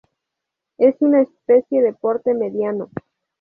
Es una especie de porte mediano.